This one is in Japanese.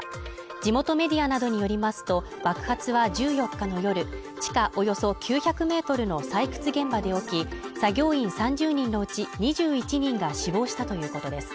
地元メディアなどによりますと、爆発は１４日の夜、地下およそ９００ｍの採掘現場で起き、作業員３０人のうち２１人が死亡したということです。